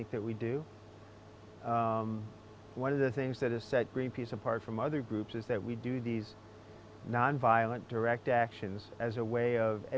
salah satu hal yang membuat greenpeace bersepar dari grup grup lain adalah bahwa kita melakukan tindakan langsung yang tidak berbahaya